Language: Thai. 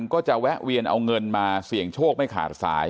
ก็จะแวะเวียนเอาเงินมาเสี่ยงโชคไม่ขาดสาย